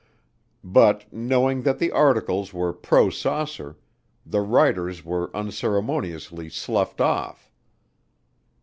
But, knowing that the articles were pro saucer, the writers were unceremoniously sloughed off.